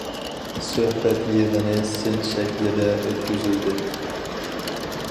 سۆھبەت يىغىنى سىن شەكلىدە ئۆتكۈزۈلدى.